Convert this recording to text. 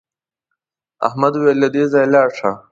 احمد وویل له دې ځایه لاړ شه.